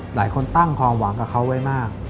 หลายคนตั้งความหวังกับเขาไว้มาก